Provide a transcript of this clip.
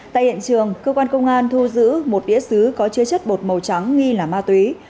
tại hiện trường cơ quan công an thu giữ một đĩa xứ có chứa chất bột màu trắng nghi là ma túy